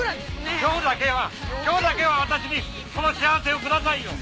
今日だけは今日だけは私にこの幸せをくださいよ。